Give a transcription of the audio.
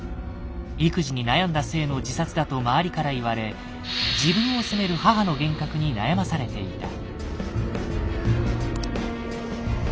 育児に悩んだ末の自殺だと周りから言われ自分を責める母の幻覚に悩まされていた。